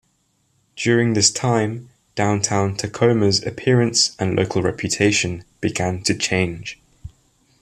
During this time, downtown Tacoma's appearance and local reputation began to change.